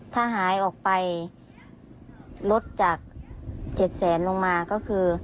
ถ้าหายออกไปลดจาก๗แสนลงมาก็คือ